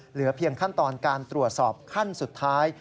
เหลือเพียงขั้นตอนการตรวจสอบขั้นสุดท้าย